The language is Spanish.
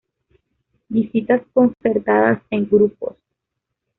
Visitas concertadas en grupos.